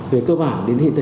về cơ bản đến hiện tích